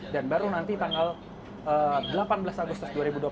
dan baru nanti tanggal delapan belas agustus dua ribu dua puluh tiga